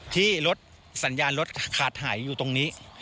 ที่รถสัญญาณรถขาดหายอยู่ตรงนี้